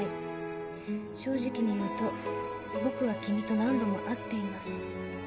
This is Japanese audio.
「正直に言うと僕は君と何度も会っています」